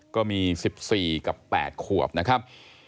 ก็มี๑๔กับ๘ขวบนะครับ